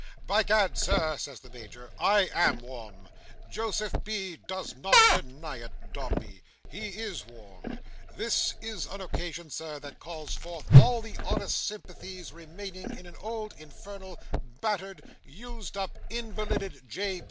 "By Gad, Sir," says the Major, "I am warm. Joseph B. does not deny it, Dombey. He is warm. This is an occasion, Sir, that calls forth all the honest sympathies remaining in an old, infernal, battered, used up, invalided, J.